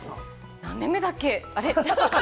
何年目だっけ？